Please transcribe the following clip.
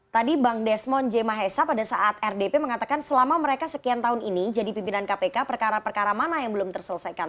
tadi bang desmond j mahesa pada saat rdp mengatakan selama mereka sekian tahun ini jadi pimpinan kpk perkara perkara mana yang belum terselesaikan